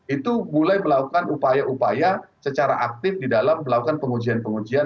itu mulai melakukan upaya upaya secara aktif di dalam melakukan pengujian pengujian